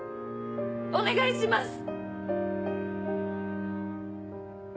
お願いします！